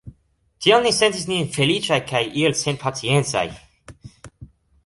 Tial ni sentis nin feliĉaj kaj iel senpaciencaj.